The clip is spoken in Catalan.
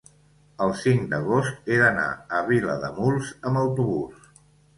el cinc d'agost he d'anar a Vilademuls amb autobús.